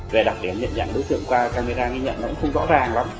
về đặc điểm nhận dạng đối tượng qua camera ghi nhận nó cũng không rõ ràng lắm